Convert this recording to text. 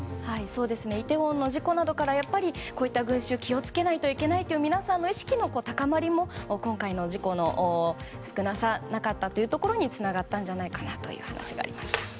イテウォンの事故などからこういった群衆気を付けないといけないという皆さんの意識の高まりも今回の事故の少なさにつながったんじゃないかなという話もありました。